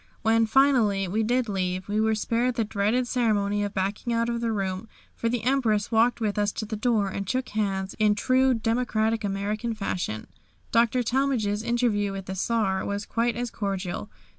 When, finally, we did leave we were spared the dreaded ceremony of backing out of the room, for the Empress walked with us to the door, and shook hands in true democratic American fashion. Dr. Talmage's interview with the Czar was quite as cordial.